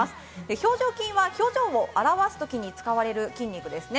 表情筋は表情を表すときに使われる筋肉ですね。